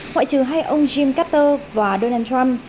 ngoại trừ hai ông jim carter và donald trump